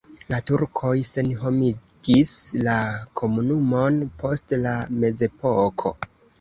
La turkoj senhomigis la komunumon post la mezepoko.